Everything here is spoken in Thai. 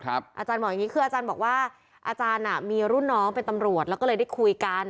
อาจารย์บอกอย่างนี้คืออาจารย์บอกว่าอาจารย์มีรุ่นน้องเป็นตำรวจแล้วก็เลยได้คุยกัน